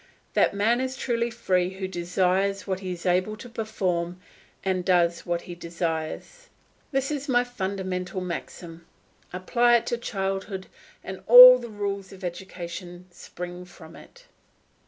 That man is truly free who desires what he is able to perform, and does what he desires. This is my fundamental maxim. Apply it to childhood, and all the rules of education spring from it.